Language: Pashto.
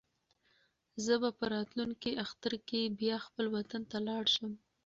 زه به په راتلونکي اختر کې بیا خپل وطن ته لاړ شم.